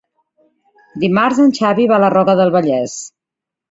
Dimarts en Xavi va a la Roca del Vallès.